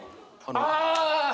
ああ！